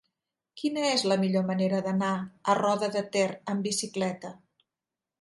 Quina és la millor manera d'anar a Roda de Ter amb bicicleta?